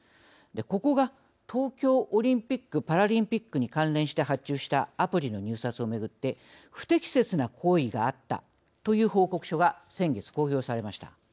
ここが東京オリンピック・パラリンピックに関連して発注したアプリの入札をめぐって不適切な行為があったという報告書が先月公表されました。